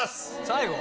最後？